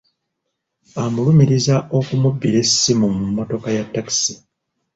Amulumiriza okumubbira essimu mu mmotoka ya takisi.